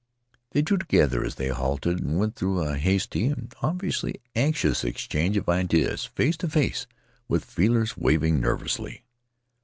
They drew together as they halted, and w ent through a hasty and obviously anxious exchange of ideas — face to face, with feelers waving nervously.